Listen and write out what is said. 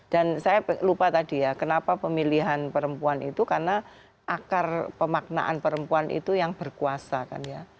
dan saya lupa tadi ya kenapa pemilihan perempuan itu karena akar pemaknaan perempuan itu yang berkuasa kan ya